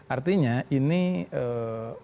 artinya ini kalau kita lihat bagaimana umrohnya